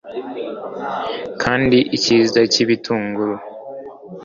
kandi icyiza cy'ibitunguru